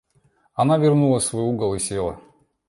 Она вернулась в свой угол и села.